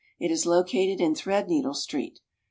It is located in Threadneedle Street.